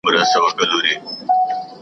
مُلا وویله خدای مي نګهبان دی .